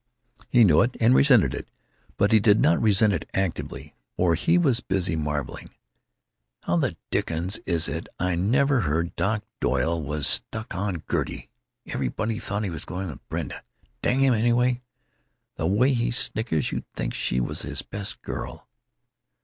He knew it and resented it, but he did not resent it actively, for he was busy marveling, "How the dickens is it I never heard Doc Doyle was stuck on Gertie? Everybody thought he was going with Bertha. Dang him, anyway! The way he snickers, you'd think she was his best girl."